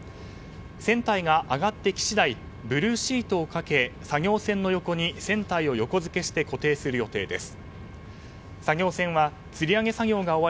船体が上がって来次第ブルーシートをかけ作業船の横に船体を横付けして固定する予定です。